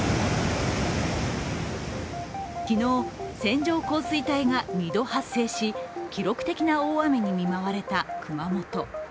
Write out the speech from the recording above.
昨日、線状降水帯が２度発生し、記録的な大雨に見舞われた熊本。